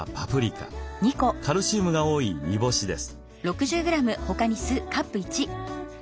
カルシウムが多い煮干しです。